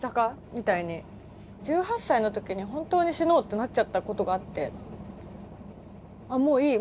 １８歳の時に本当に死のうってなっちゃったことがあって「もういい！